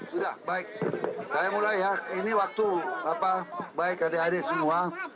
sudah baik saya mulai ya ini waktu baik adik adik semua